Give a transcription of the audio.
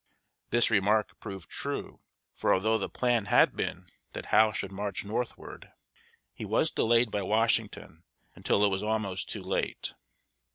This remark proved true, for although the plan had been that Howe should march northward, he was delayed by Washington until it was almost too late.